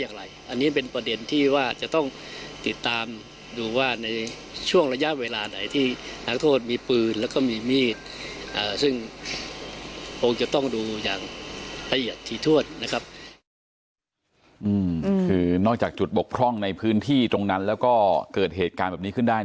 คือนอกจากจุดบกพร่องในพื้นที่ตรงนั้นแล้วก็เกิดเหตุการณ์แบบนี้ขึ้นได้